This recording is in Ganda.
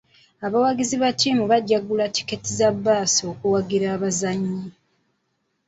Abawagizi ba ttiimu bajja kugula tikiti za bbaasi okuwagira abazannyi.